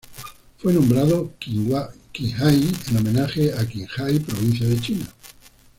Fue nombrado Qinghai en homenaje a Qinghai provincia de China.